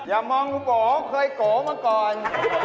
อย่ามองคุณโกเคยโกมาก่อน